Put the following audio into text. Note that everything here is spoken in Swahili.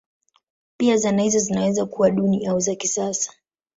Pia zana hizo zinaweza kuwa duni au za kisasa.